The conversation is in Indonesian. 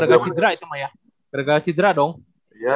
gara gara cidra itu mah ya